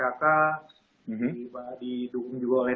juga didukung juga oleh